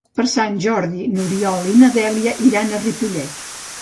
Per Sant Jordi n'Oriol i na Dèlia iran a Ripollet.